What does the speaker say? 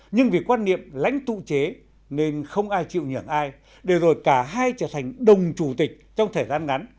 nhưng vì quan niệm lãnh tụ chế nên không ai chịu nhường ai để rồi cả hai trở thành đồng chủ tịch trong thời gian ngắn